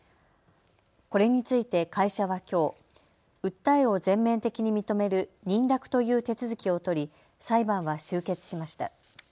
これについて会社はきょう、訴えを全面的に認める認諾という手続きを取り裁判は終結しました。